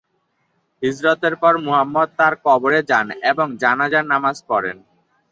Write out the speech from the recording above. হিজরতের পর মুহাম্মাদ তার কবরে যান এবং জানাজার নামাজ পড়েন।